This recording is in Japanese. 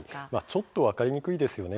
ちょっと分かりにくいですよね。